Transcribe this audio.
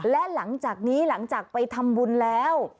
และหลังจากนี้หลังจากไปทำบุญแล้ว